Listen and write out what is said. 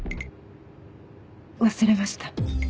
忘れました。